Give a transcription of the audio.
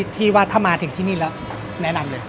ที่ว่าถ้ามาถึงที่นี่แล้วแนะนำเลย